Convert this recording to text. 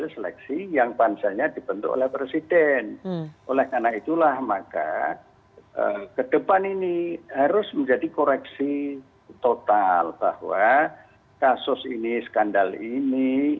jangan hanya memikirkan